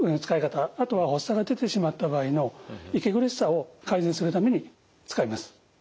あとは発作が出てしまった場合の息苦しさを改善するために使います。